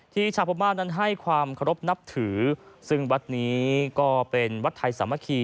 ชาวพม่านั้นให้ความเคารพนับถือซึ่งวัดนี้ก็เป็นวัดไทยสามัคคี